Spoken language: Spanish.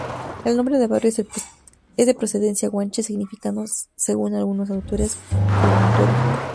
El nombre del barrio es de procedencia guanche, significando según algunos autores 'promontorio'.